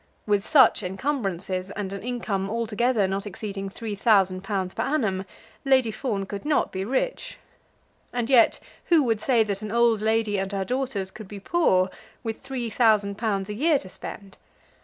With such encumbrances, and an income altogether not exceeding three thousand pounds per annum, Lady Fawn could not be rich. And yet who would say that an old lady and her daughters could be poor with three thousand pounds a year to spend?